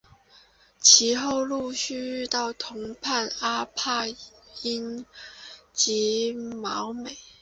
其后陆续遇到同伴阿帕因及毛美。